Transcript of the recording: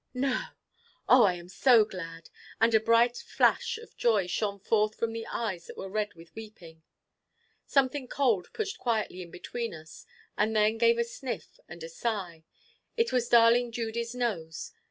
"No! Oh I am so glad!" and a bright flash of joy shone forth from the eyes that were red with weeping. Something cold pushed quietly in between us, and then gave a sniff and a sigh. It was darling Judy's nose.